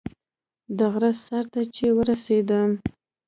د غره سر ته چې ورسېدم.